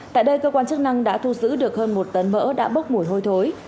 tại đây cơ quan chức năng đã thu giữ được hơn một tấn mỡ đã bốc mùi hôi thối